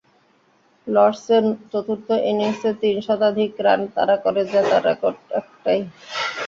লর্ডসে চতুর্থ ইনিংসে তিন শতাধিক রান তাড়া করে জেতার রেকর্ড একটাই।